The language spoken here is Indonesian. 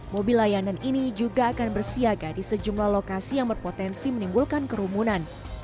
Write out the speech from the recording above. mobil layanan ini juga akan bersiaga di sejumlah lokasi yang berpotensi menimbulkan kerumunan